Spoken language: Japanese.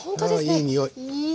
いい匂い！